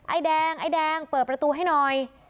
ไอ้แดงไอ้แดงเปิดประตูให้หน่อย